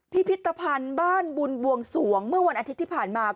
พิพิธภัณฑ์บ้านบุญบวงสวงเมื่อวันอาทิตย์ที่ผ่านมา